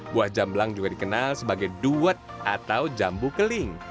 buah jamblang juga dikenal sebagai duet atau jambu keling